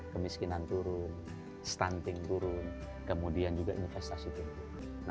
kemiskinan turun stunting turun kemudian juga investasi turun